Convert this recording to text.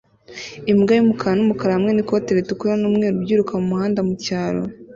Imbwa y'umukara n'umukara hamwe n'ikoti ritukura n'umweru byiruka mumuhanda mucyaro